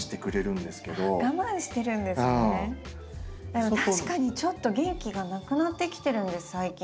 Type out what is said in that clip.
でも確かにちょっと元気がなくなってきてるんです最近。